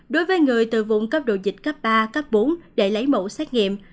đối với người từ vùng cấp độ dịch cấp ba cấp bốn để lấy mẫu xét nghiệm